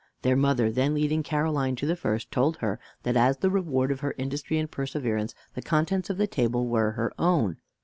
Their mother then leading Caroline to the first, told her that, as the reward of her industry and perseverance, the contents of the table were her own.